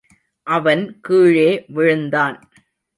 அவன் கீழே விழுந்தான்.